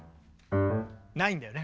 ないんだよね